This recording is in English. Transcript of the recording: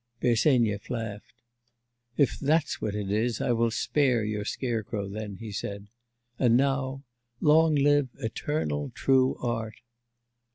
Bersenyev laughed. 'If that's what it is, I will spare your scarecrow then,' he said. And now, 'Long live eternal true art!